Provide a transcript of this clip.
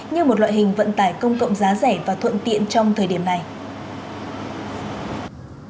như một loại hình vận tải công cộng giá rẻ và thuận tiện trong thời điểm này